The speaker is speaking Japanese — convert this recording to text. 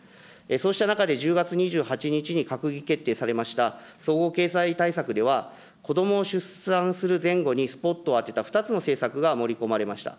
そうした中で１０月２８日に閣議決定されました、総合経済対策では、子どもを出産する前後にスポットを当てた２つの政策が盛り込まれました。